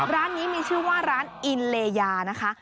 ร้านนี้มีชื่อว่าร้านอินเลยานะคะ